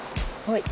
はい。